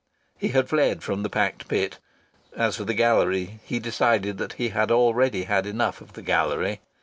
He had fled from the packed pit. (As for the gallery, he decided that he had already had enough of the gallery.)